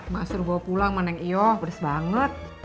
mbak suruh gue pulang mbak neng iyo beres banget